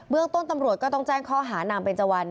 เรื่องต้นตำรวจก็ต้องแจ้งข้อหานางเบนเจวัน